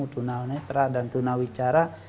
dan juga tunawitra dan tunawicara